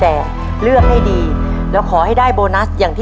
พอเล็กเลือกคุณแจดอกไหนครับ